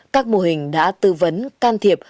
các mô hình đã tư vấn can thiệp